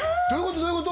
どういうこと？